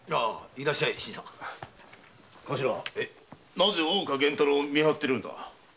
なぜ大岡源太郎を見張ってるんだ。